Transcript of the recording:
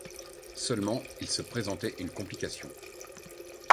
Seulement, il se présentait une complication.